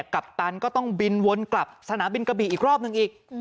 ปัปตันก็ต้องบินวนกลับสนามบินกะบี่อีกรอบหนึ่งอีก